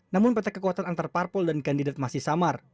namun peta kekuatan antar parpol dan kandidat masih samar